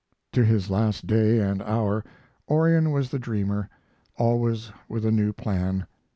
To his last day and hour Orion was the dreamer, always with a new plan.